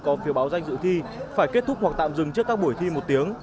có phiếu báo danh dự thi phải kết thúc hoặc tạm dừng trước các buổi thi một tiếng